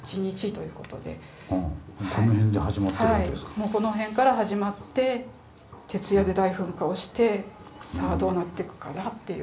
もうこの辺から始まって徹夜で大噴火をしてさあどうなってくかなっていう。